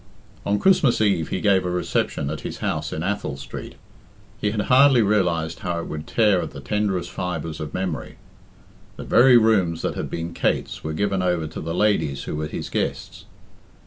On Christmas Eve he gave a reception at his house in Athol Street. He had hardly realised how it would tear at the tenderest fibres of memory. The very rooms that had been Kate's were given over to the ladies who were his guests.